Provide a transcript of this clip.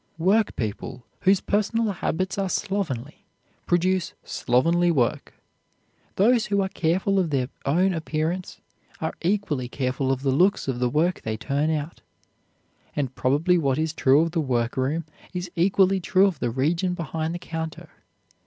Work people whose personal habits are slovenly produce slovenly work; those who are careful of their own appearance are equally careful of the looks of the work they turn out. And probably what is true of the workroom is equally true of the region behind the counter.